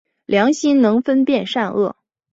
良心能分辨善恶。